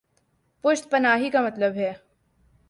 پشت پناہی کامطلب ہے۔